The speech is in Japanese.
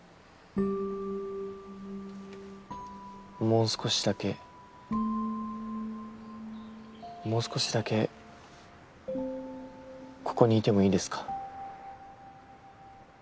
もう少しだけもう少しだけここにいてもいいですか？